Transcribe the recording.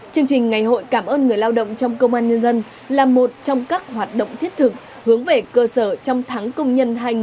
chương trình ngày hội cảm ơn người lao động trong công an nhân dân là một trong các hoạt động thiết thực hướng về cơ sở trong tháng công nhân hai nghìn hai mươi bốn